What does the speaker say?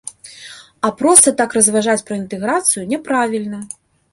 А проста так разважаць пра інтэграцыю, няправільна.